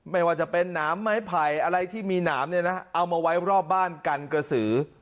ไม่ว่าจะเป็นหนามไม้ไผ่อะไรที่มีหนามเนี่ยนะเอามาไว้รอบบ้านกันกระสือ